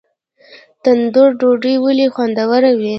تندور ډوډۍ ولې خوندوره ده؟